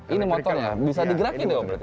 ini motor ya bisa digerakin ya